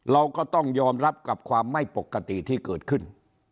เราก็ต้องยอมรับกับความไม่ปกติที่เกิดขึ้น